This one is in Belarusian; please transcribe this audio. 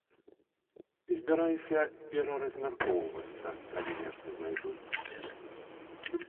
Збіраюся пераразмяркоўвацца, калі нешта знайду.